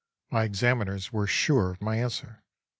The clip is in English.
My examiners were sure of my answer.